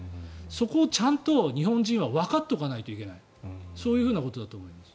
そこをちゃんと日本人はわかっておかないといけないということだと思います。